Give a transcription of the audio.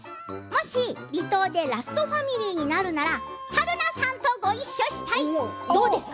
もし離島でラストファミリーになるなら春菜さんとごいっしょしたいです。